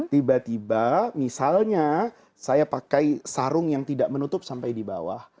tiba tiba misalnya saya pakai sarung yang tidak menutup sampai di bawah